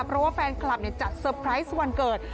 เพราะว่าแฟนคลับจัดเตอร์ไพรส์วันเกิด